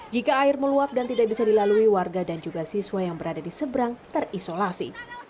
jika air meluap dan tidak bisa dilalui warga dan juga siswa yang berada di seberang terisolasi